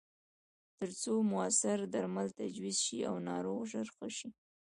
ترڅو موثره درمل تجویز شي او ناروغ ژر ښه شي.